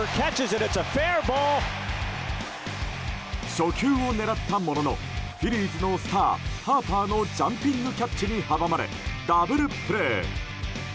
初球を狙ったもののフィリーズのスター、ハーパーのジャンピングキャッチに阻まれダブルプレー！